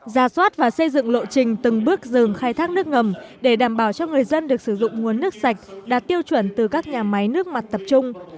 ra soát và xây dựng lộ trình từng bước dừng khai thác nước ngầm để đảm bảo cho người dân được sử dụng nguồn nước sạch đạt tiêu chuẩn từ các nhà máy nước mặt tập trung